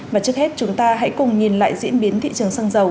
và trước hết chúng ta hãy cùng nhìn lại diễn biến thị trường xăng dầu